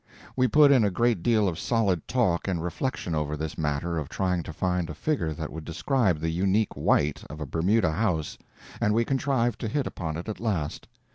We put in a great deal of solid talk and reflection over this matter of trying to find a figure that would describe the unique white of a Bermuda house, and we contrived to hit upon it at last.